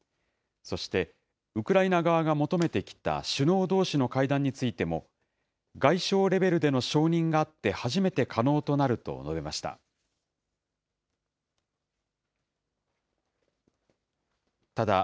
そして、ウクライナ側が求めてきた首脳どうしの会談についても、外相レベルでの承認があって、初めて可能となると述べました。